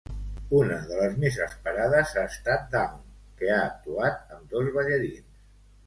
Una de les més esperades ha estat Dawn, que ha actuat amb dos ballarins.